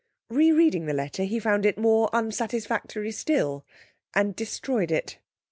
Re reading the letter, he found it more unsatisfactory still, and destroyed it.